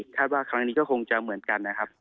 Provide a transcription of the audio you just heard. คาดว่าครั้งนี้ก็คงจะเหมือนกันนะครับ